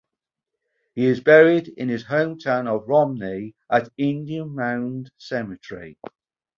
He is buried in his home town of Romney at Indian Mound Cemetery.